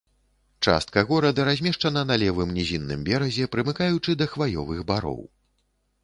Частка горада размешчана на левым нізінным беразе, прымыкаючы да хваёвых бароў.